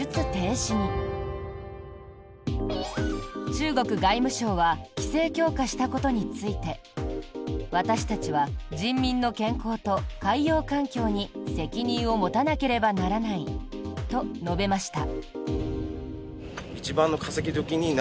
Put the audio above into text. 中国外務省は規制強化したことについて私たちは人民の健康と海洋環境に責任を持たなければならないと述べました。